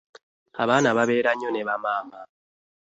Abaana babeera nnyo ne bamaama.